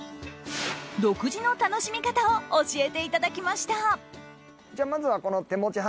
独自の楽しみ方を教えていただきました。